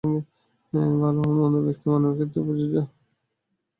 ভাল বা মন্দ ব্যক্তি-মানবের ক্ষেত্রেই প্রযোজ্য।